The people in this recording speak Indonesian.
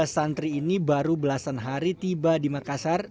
tiga santri ini baru belasan hari tiba di makassar